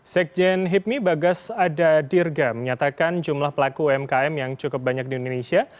sekjen hipmi bagas ada dirga menyatakan jumlah pelaku umkm yang cukup banyak di indonesia